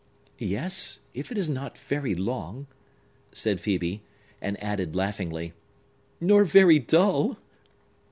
"Yes, if it is not very long," said Phœbe,—and added laughingly,—"nor very dull."